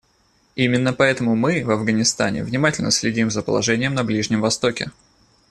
Именно поэтому мы, в Афганистане, внимательно следим за положением на Ближнем Востоке.